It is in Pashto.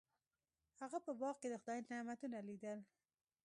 هغه په باغ کې د خدای نعمتونه لیدل.